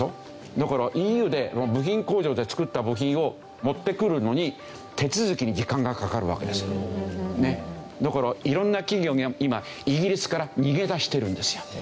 だからＥＵで部品工場で作った部品を持ってくるのにだから色んな企業が今イギリスから逃げ出しているんですよ。